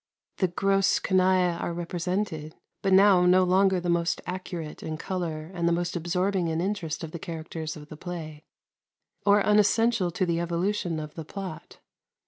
The gross canaille are represented, but now no longer the most accurate in colour and most absorbing in interest of the characters of the play, or unessential to the evolution of the plot.